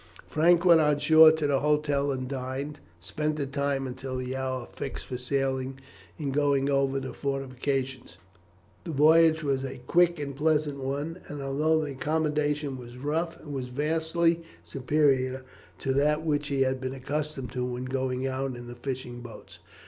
Frank went on shore to the hotel and dined, and spent the time until the hour fixed for sailing in going over the fortifications. The voyage was a quick and pleasant one, and although the accommodation was rough it was vastly superior to that which he had been accustomed to when going out in the fishing boats.